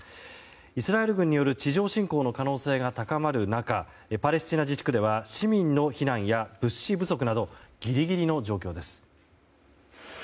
イスラエル軍による地上侵攻の可能性が高まる中パレスチナ自治区では市民の避難や物資不足などギリギリの状況です。